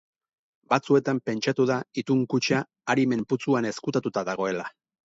Batzuetan pentsatu da itun-kutxa Arimen putzuan ezkutatuta dagoela.